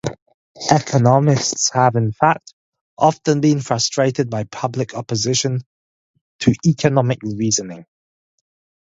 Economists have, in fact, often been frustrated by public opposition to economic reasoning.